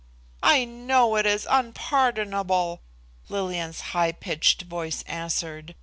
"I know it is unpardonable," Lillian's high pitched voice answered.